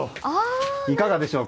いかがでしょうか。